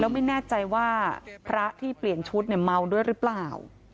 ไม่แน่ใจว่าพระที่เปลี่ยนชุดเนี่ยเมาด้วยหรือเปล่า